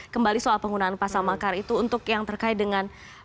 kembali soal penggunaan pasal makar itu untuk yang terkait dengan